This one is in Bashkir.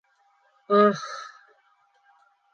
Ах!